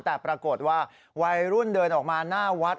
แต่ปรากฏว่าวัยรุ่นเดินออกมาหน้าวัด